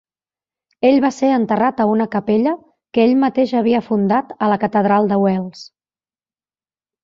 Ell va ser enterrat a una capella que ell mateix havia fundat a la Catedral de Wells.